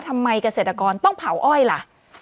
เกษตรกรต้องเผาอ้อยล่ะ